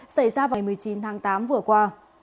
xảy ra vào một mươi chín tháng tám vừa qua